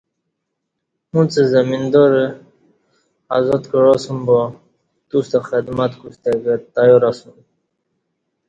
اُݩڅ زمیدارہ ازاد کعاسُوم با تُوستہ خدمت کوستہ کہ تیار اسُوم